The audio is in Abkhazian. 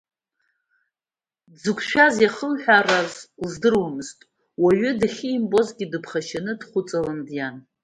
Дзықәшәаз иахылҳәаарыз лыздыруамызт, уаҩы дахьимбозгьы дыԥхашьаны дхәыҵалны диан.